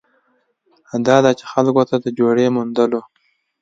دا ده چې خلکو ته د جوړې موندلو